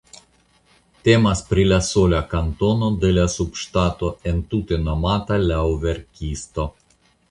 Temas pri la sola kantono de la subŝtato entute nomata laŭ verkisto.